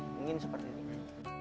mungkin seperti ini